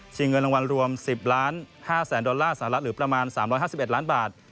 เงินรางวัลรวม๑๐๕๐๐๐ดอลลาร์สหรัฐหรือประมาณ๓๕๑ล้านบาท